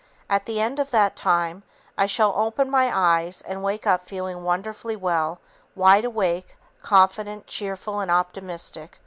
At the end of that time, I shall open my eyes and wake up feeling wonderfully well, wide awake, confident, cheerful and optimistic.